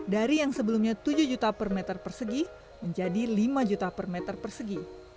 dari yang sebelumnya tujuh juta per meter persegi menjadi lima juta per meter persegi